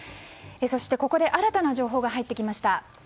そしてここで新たな情報が入ってきました。